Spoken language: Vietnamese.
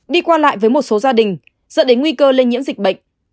đi qua lại với một số gia đình dẫn đến nguy cơ lây nhiễm dịch bệnh